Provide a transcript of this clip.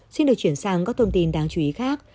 xin được chuyển sang các thông tin đáng chú ý khác